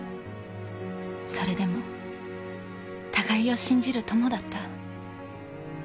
それでも互いを信じる友だった。